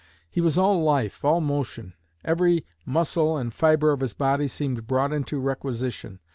He was all life, all motion; every muscle and fibre of his body seemed brought into requisition.